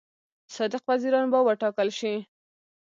صادق وزیران به وټاکل شي.